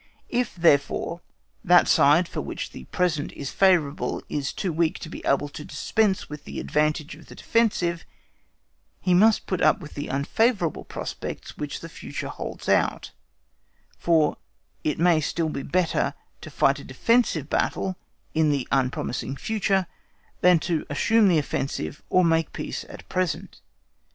If, therefore, that side for which the present is favourable, is too weak to be able to dispense with the advantage of the defensive, he must put up with the unfavourable prospects which the future holds out; for it may still be better to fight a defensive battle in the unpromising future than to assume the offensive or make peace at present.